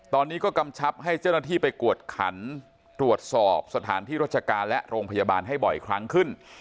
ตอนนี้ก็กำชับให้เจ้าหน้าที่ไปกวดขันตรวจสอบสถานที่ราชการและโรงพยาบาลให้บ่อยครั้งขึ้น